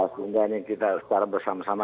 sehingga ini kita secara bersama sama